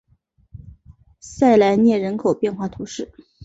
萨莱涅人口变化图示